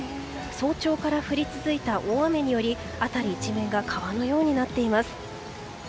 早朝から降り続いた大雨により辺り一面が川のようになっています。